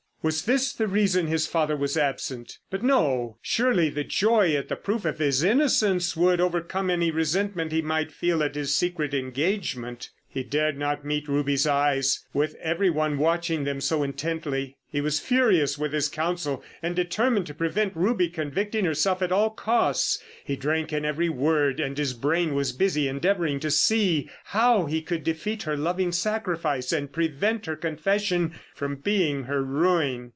Was this the reason his father was absent? But no! surely the joy at the proof of his innocence would overcome any resentment he might feel at his secret engagement. He dared not meet Ruby's eyes—with every one watching them so intently. He was furious with his counsel, and determined to prevent Ruby convicting herself at all costs. He drank in every word, and his brain was busy endeavouring to see how he could defeat her loving sacrifice, and prevent her confession from being her ruin.